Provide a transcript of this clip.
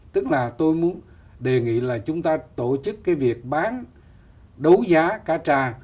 tức là tôi muốn đề nghị là chúng ta tổ chức cái việc bán đấu giá cá trà